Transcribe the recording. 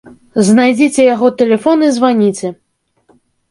Знайдзіце яго тэлефон і званіце.